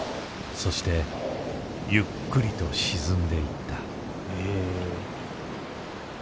そしてゆっくりと沈んでいった。